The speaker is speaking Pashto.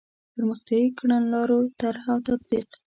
پرمختیایي کړنلارو طرح او تطبیق.